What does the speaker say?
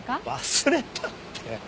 忘れたって。